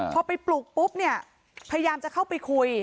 พอไปปลุกปุ๊บเนี่ยพยายามจะเข้าไปคุย